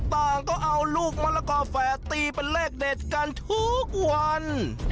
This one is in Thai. ต่างก็เอาลูกมะละกอแฝดตีเป็นเลขเด็ดกันทุกวัน